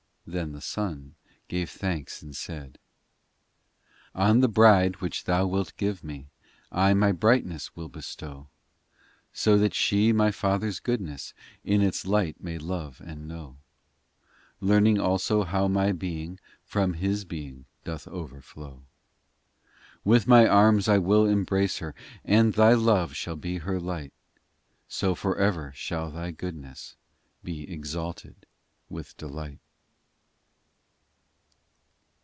Then the Son gave thanks and said IV On the bride which Thou wilt give Me I My brightness will bestow, So that she My Father s goodness In its light may love and know ; Learning also how My Being From His Being doth overflow. With My arms I will embrace her And Thy love shall be her light, So for ever shall Thy goodness Be exalted with delight.